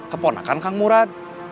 keponakan kang murad